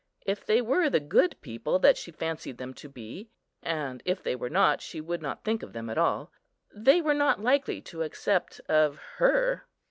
If they were the good people that she fancied them to be,—and if they were not, she would not think of them at all,—they were not likely to accept of her.